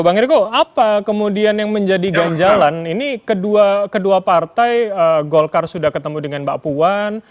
bang eriko apa kemudian yang menjadi ganjalan ini kedua partai golkar sudah ketemu dengan mbak puan